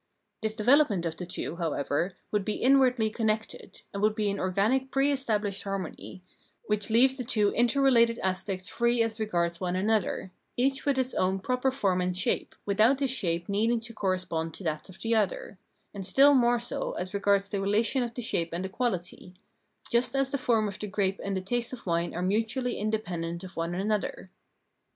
This development of the two, however, would be inwardly connected, and would be an organic pre estabhshed harmony, which leaves the two interrelated aspects free as regards one another, each with its own proper form and shape, without this shape needing to correspond to that of the other ; and still more so as regards the relation of the shape and the quality — Phrenology 319 just as the form of the grape and the taste of wine are mutually independent of one another.